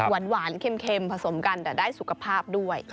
หวานเค็มผสมกันแต่ได้สุขภาพด้วย